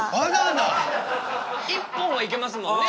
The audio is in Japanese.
「一本」はいけますもんね。